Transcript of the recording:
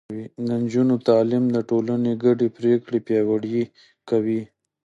د نجونو تعليم د ټولنې ګډې پرېکړې پياوړې کوي.